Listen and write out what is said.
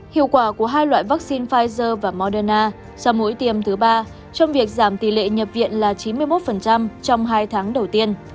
hiệu quả của hai loại vaccine pfizer và moderna sau mỗi tiêm thứ ba trong việc giảm tỷ lệ nhập viện là chín mươi một trong hai tháng đầu tiên